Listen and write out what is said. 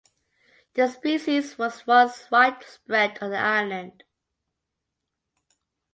The species was once widespread on the island.